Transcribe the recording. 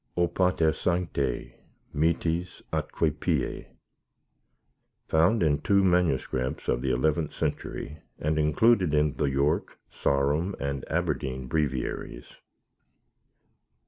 O PATER SANCTE, MITIS ATQUE PIE Found in two MSS. of the eleventh century, and included in the York, Sarum, and Aberdeen Breviaries.